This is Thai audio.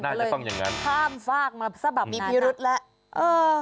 น่าจะต้องอย่างนั้นมีพิรุธละเขาเลยข้ามฟากมาสะบับนานเออ